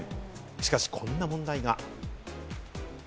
しかし、こんな問題が。